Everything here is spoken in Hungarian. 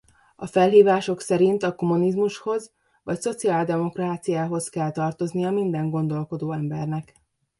A felhívások szerint a kommunizmushoz vagy szociáldemokráciához kell tartoznia minden gondolkodó embernek.